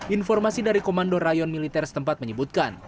informasi dari komando rayon militer setempat menyebutkan